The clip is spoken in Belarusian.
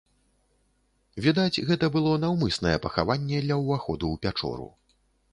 Відаць, гэта было наўмыснае пахаванне ля ўваходу ў пячору.